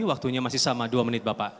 waktunya masih sama dua menit bapak